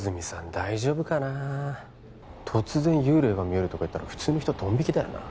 大丈夫かな突然幽霊が見えるとか言ったら普通の人はドン引きだよな